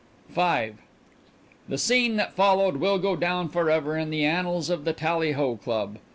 V The scene that followed will go down forever in the annals of the Tallyho Club.